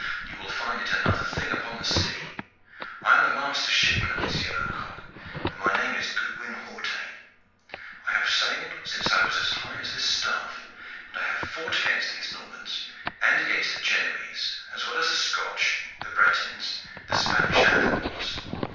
you will find it another thing upon the sea. I am the master shipman of this yellow cog, and my name is Goodwin Hawtayne. I have sailed since I was as high as this staff, and I have fought against these Normans and against the Genoese, as well as the Scotch, the Bretons, the Spanish, and the Moors.